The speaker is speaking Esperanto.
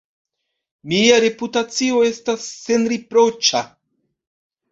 Mia reputacio estas senriproĉa!